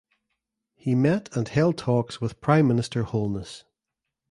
He met and held talks with Prime Minister Holness.